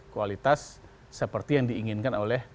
kualitas seperti yang diinginkan oleh